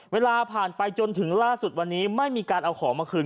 เวลาผ่านไปจนถึงล่าสุดวันนี้ไม่มีการเอาของมาคืน